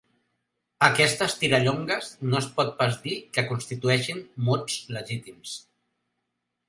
Aquestes tirallongues no es pot pas dir que constitueixin mots legítims.